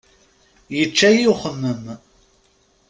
Yečča-yi uxemmem.